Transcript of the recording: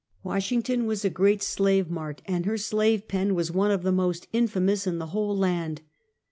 Washington was a great slave mart, and her slave Visit Washington. 129 pen was one of the most infamous in the whole land.